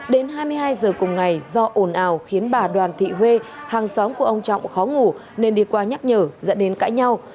đến hai mươi hai giờ cùng ngày do ồn ào khiến bà đoàn thị huê hàng xóm của ông trọng khó ngủ nên đi qua nhắc nhở dẫn đến cãi nhau